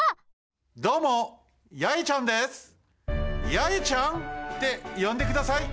ヤエちゃんってよんでください。